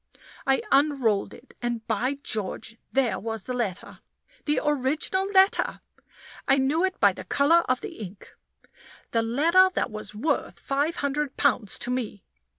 I unrolled it and, by George! there was the letter! The original letter! I knew it by the color of the ink. The letter that was worth five hundred pounds to me!